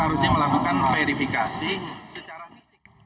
harusnya melakukan verifikasi secara fisik